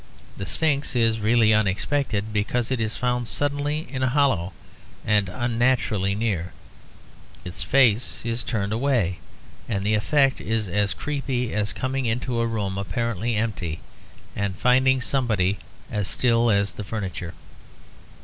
The Sphinx is really unexpected, because it is found suddenly in a hollow, and unnaturally near. Its face is turned away; and the effect is as creepy as coming into a room apparently empty, and finding somebody as still as the furniture.